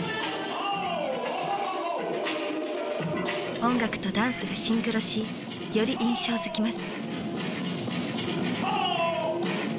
音楽とダンスがシンクロしより印象づきます。